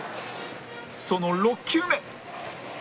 その６球目